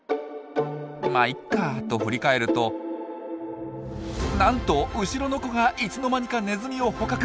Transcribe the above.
「まっいいか」と振り返るとなんと後ろの子がいつの間にかネズミを捕獲！